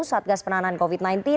satgas penanganan covid sembilan belas